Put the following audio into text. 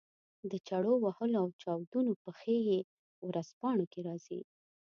د چړو وهلو او چاودنو پېښې چې ورځپاڼو کې راځي.